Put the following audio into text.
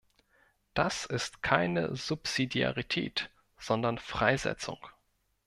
Das ist keine Subsidiarität, sondern Freisetzung.